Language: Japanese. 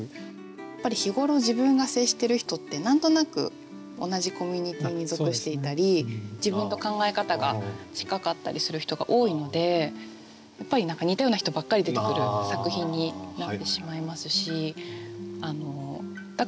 やっぱり日頃自分が接してる人って何となく同じコミュニティーに属していたり自分と考え方が近かったりする人が多いのでやっぱり何か似たような人ばっかり出てくる作品になってしまいますし。